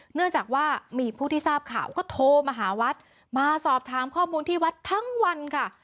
เนื่องจากว่ามีผู้ที่ทราบข่าวก็โทรมาหาวัดมาสอบถามข้อมูลที่วัดทั้งวันค่ะ